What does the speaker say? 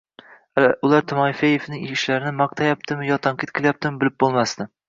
ular Timofeevning ishlarini maqtayaptimi yoki tanqid qilyaptimi – bilib boʻlmasdi.